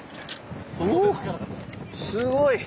おおすごい！